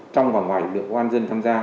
trong và ngoài lượng công an dân tham gia